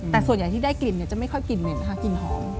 แต่ส่วนใหญ่ที่ได้กลิ่นจะไม่ค่อยกลิ่นเหม็นนะคะกลิ่นหอม